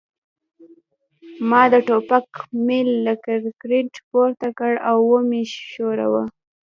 ما د ټوپک میل له کانکریټ پورته کړ او ومې ښوراوه